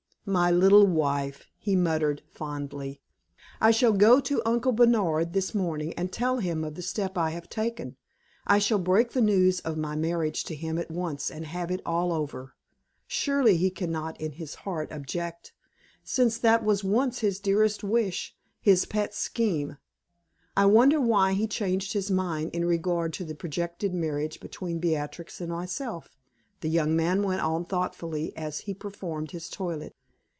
"My little wife!" he murmured, fondly. "I shall go to Uncle Bernard this morning and tell him of the step I have taken. I shall break the news of my marriage to him at once and have it all over. Surely he can not in his heart object, since that was once his dearest wish his pet scheme. I wonder why he changed his mind in regard to the projected marriage between Beatrix and myself," the young man went on thoughtfully as he performed his toilet.